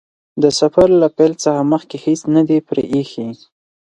د سفر له پیل څخه مخکې هیڅ نه دي پرې ايښي.